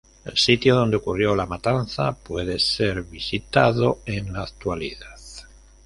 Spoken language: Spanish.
El sitio donde ocurrió la matanza puede ser visitado en la actualidad.